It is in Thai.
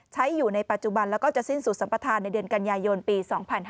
ใช้อยู่ในปัจจุบันแล้วก็จะสิ้นสุดสัมประธานในเดือนกันยายนปี๒๕๕๙